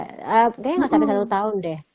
kayaknya nggak sampai satu tahun deh